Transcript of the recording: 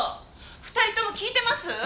２人とも聞いてます？